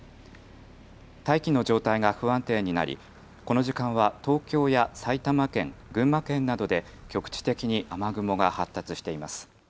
大気の状態が不安定になりこの時間は東京や埼玉県、群馬県などで局地的に雨雲が発達しています。